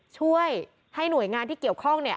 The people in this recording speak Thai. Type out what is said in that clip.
ช่วยให้หน่วยงานที่เกี่ยวข้องเนี่ย